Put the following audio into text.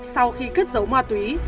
sau khi cất giấu ma túy